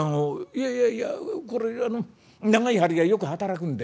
「いやいやいやこれあの長い針がよく働くんだよ。